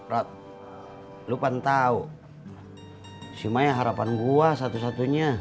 rod lu kan tahu si maek harapan gua satu satunya